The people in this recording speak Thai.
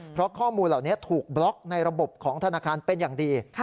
เพราะข้อมูลเหล่านี้ถูกบล็อกในระบบของธนาคารเป็นอย่างดี